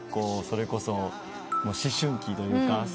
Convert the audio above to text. それこそ思春期というか。